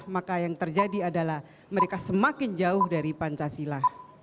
maka yang terjadi adalah mereka semakin jauh dari pancasila